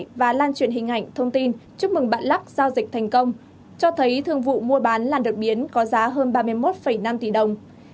và lan truyền hình ảnh thông tin chúc mừng bạn lắc giao dịch thành công cho thấy thương vụ mua bán là đột biến có giá hơn ba mươi một năm tỷ đồng